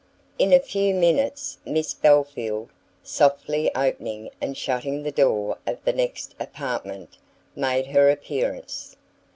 In a few minutes Miss Belfield, softly opening and shutting the door of the next apartment, made her appearance.